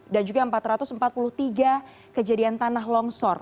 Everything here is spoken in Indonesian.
dan juga empat ratus empat puluh tiga kejadian tanah longsor